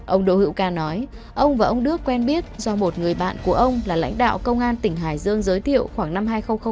ông đỗ hữu ca nói ông và ông đức quen biết do một người bạn của ông là lãnh đạo công an tỉnh hải dương giới thiệu khoảng năm hai nghìn một mươi